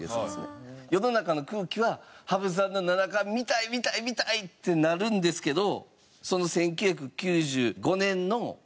世の中の空気は羽生さんの七冠見たい見たい見たい！ってなるんですけど。